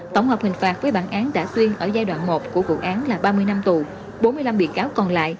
tổng hợp hình phạt với bản án đã tuyên ở giai đoạn một của vụ án là ba mươi năm tù bốn mươi năm bị cáo còn lại